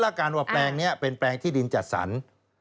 แล้วกันว่าแปลงนี้เป็นแปลงที่ดินจัดสรร